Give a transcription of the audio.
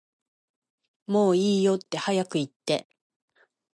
もういいよって早く言って